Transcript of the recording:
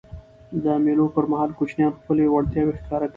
د مېلو پر مهال کوچنيان خپلي وړتیاوي ښکاره کوي.